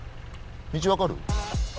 道分かる？